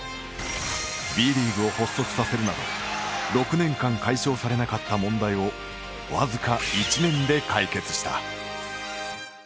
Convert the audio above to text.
Ｂリーグを発足させるなど６年間、解消されなかった問題をわずか１年で解決した。